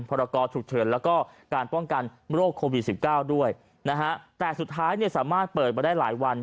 ปรากฏฉุกเฉินและการป้องกันโรคโควิด๑๙ด้วยแต่สุดท้ายสามารถเปิดมาได้หลายวัน